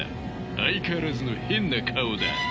相変わらずの変な顔だ。